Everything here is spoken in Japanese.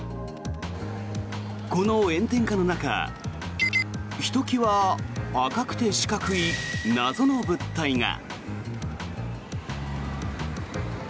この炎天下の中ひときわ赤くて四角い謎の物体が。